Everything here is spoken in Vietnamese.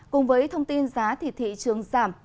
cùng với thông tin giá thịt thị trường giảm